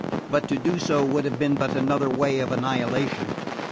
But to do so would have been but another way of annihilation.